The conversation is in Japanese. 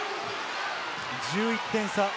１１点差。